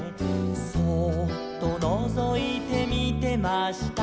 「そうっとのぞいてみてました」